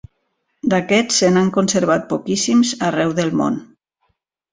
D’aquests se n’han conservat poquíssims arreu del món.